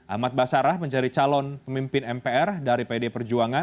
ahmad basarah mencari calon pemimpin mpr dari pdi perjuangan